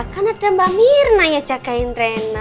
kan ada mbak mirna ya jagain rena